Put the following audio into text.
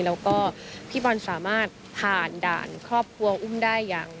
แล้วก็พี่บอลสามารถผ่านด่านครอบครัวอุ้มได้อย่าง